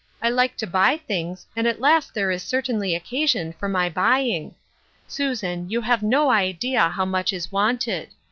I like to buy things, and at last there is certainly occasion for my buying. Susan, you have no idea how much is wanted.